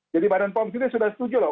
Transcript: jadi badan pom sudah setuju loh